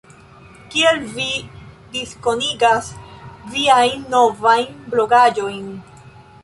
Kiel vi diskonigas viajn novajn blogaĵojn?